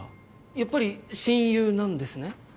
やっぱり親友なんですね。